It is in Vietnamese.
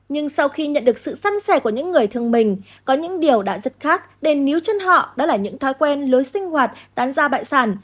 nhưng sau khi nhận được sự săn sẻ của những người thương mình có những điều đã rất khác đền miếu chân họ đó là những thói quen lối sinh hoạt tán ra bại sản